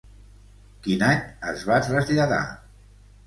Quin any es va traslladar?